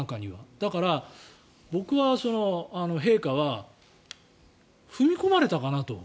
だから、僕は陛下は踏み込まれたかなと。